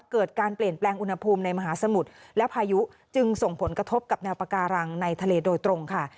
เกิดการเปลี่ยนแปลงอุณหภูมิในมหาสมุทรและพายุจึงส่งผลกระทบกับแนวปาการังในทะเลโดยตรงค่ะ